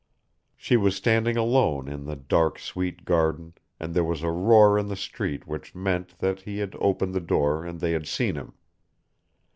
She was standing alone in the dark, sweet garden and there was a roar in the street which meant that he had opened the door and they had seen him.